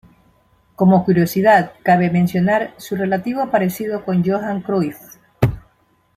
Como curiosidad cabe mencionar su relativo parecido con Johan Cruyff